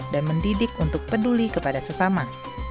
dan mendidik untuk peduli kepada sesama